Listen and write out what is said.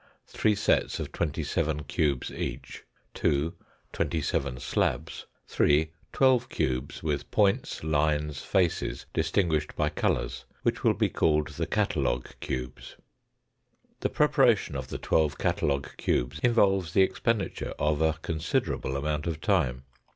Three sets of twenty seven cubes each. 2. Twenty seven slabs. 3. Twelve cubes with points, lines, faces, distinguished by colours, which will be called the catalogue cubes. The preparation of the twelve catalogue cubes involves the expenditure of a considerable amount of time.